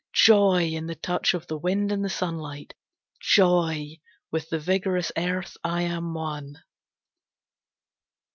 Joy in the touch of the wind and the sunlight! Joy! With the vigorous earth I am one.